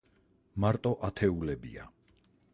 მარტო ათეულებია.